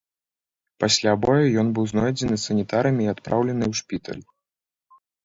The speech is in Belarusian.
Пасля бою ён быў знойдзены санітарамі і адпраўлены ў шпіталь.